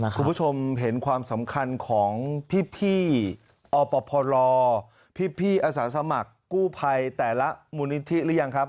คุณผู้ชมเห็นความสำคัญของพี่อปพลพี่อาสาสมัครกู้ภัยแต่ละมูลนิธิหรือยังครับ